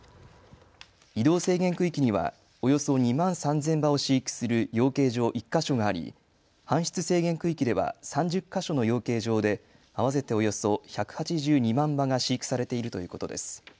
移動制限区域にはおよそ２万３０００羽を飼育する養鶏場１か所があり搬出制限区域では３０か所の養鶏場で合わせておよそ１８２万羽が飼育されているということです。